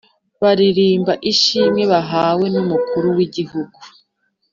Baririmba ishimwe bahawe numukuru wigihugu